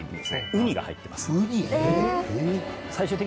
ウニが入ってます。